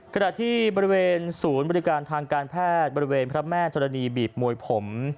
ขณะที่บริเวณศูนย์บริการทางการแพทย์บริเวณพระแม่ธรณีบีบมวยผม